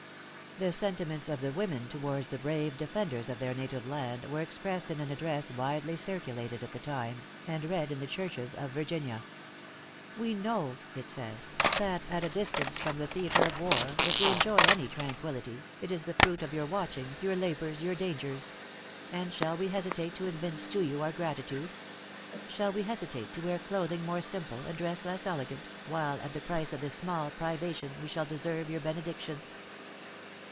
The sentiments of the women towards the brave defenders of their native land, were expressed in an address widely circulated at the time, and read in the churches of Virginia. "We know," it says "that at a distance from the theatre of war, if we enjoy any tranquillity, it is the fruit of your watchings, your labors, your dangers.... And shall we hesitate to evince to you our gratitude? Shall we hesitate to wear clothing more simple, and dress less elegant, while at the price of this small privation, we shall deserve your benedictions?"